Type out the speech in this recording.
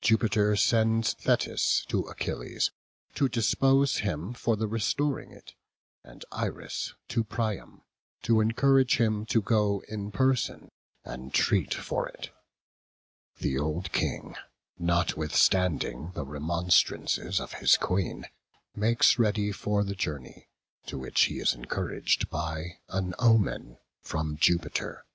Jupiter sends Thetis to Achilles to dispose him for the restoring it, and Iris to Priam, to encourage him to go in person, and treat for it. The old king, notwithstanding the remonstrances of his queen, makes ready for the journey, to which he is encouraged by an omen from Jupiter.